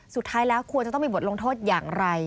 สุดท้ายแล้วควรจะต้องมีบทลงโทษอย่างไร